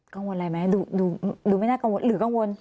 กังวลอะไรไหมดูไม่น่ากังวลหรือกังวล